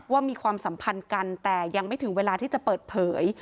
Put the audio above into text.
มีความสัมพันธ์กันแต่ยังไม่ถึงเวลาที่จะเปิดเผย